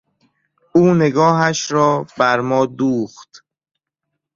او نگاهش را بر ما دوخت.